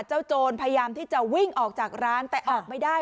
โจรพยายามที่จะวิ่งออกจากร้านแต่ออกไม่ได้